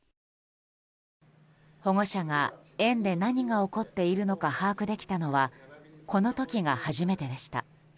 保護者が、園で何が起こっているのか把握できたのはこの時が初めてでした。